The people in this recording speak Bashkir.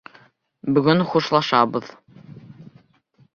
Бөгөн хушлашабыҙ.